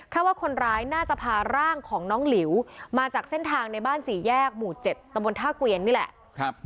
ว่าคนร้ายน่าจะพาร่างของน้องหลิวมาจากเส้นทางในบ้านสี่แยกหมู่๗ตะบนท่าเกวียนนี่แหละ